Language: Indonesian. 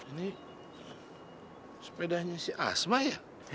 ini sepedanya si asma ya